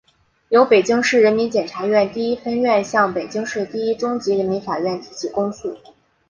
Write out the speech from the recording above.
由北京市人民检察院第一分院向北京市第一中级人民法院提起公诉